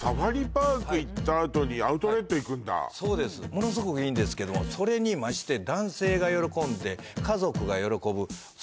ものすごくいいんですけどもそれにましてです